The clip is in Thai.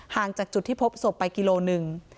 ห่างจากที่พบศพไปกิโลนึง